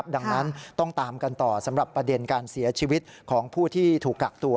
ดังนั้นต้องตามกันต่อสำหรับประเด็นการเสียชีวิตของผู้ที่ถูกกักตัว